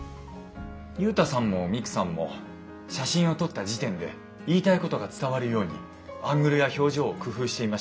ユウタさんもミクさんも写真を撮った時点で言いたいことが伝わるようにアングルや表情を工夫していましたよね。